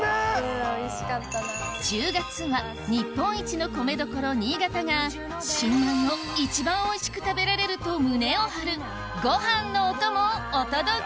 １０月は日本一の米どころ新潟が新米を一番おいしく食べられると胸を張るご飯のお供をお届け！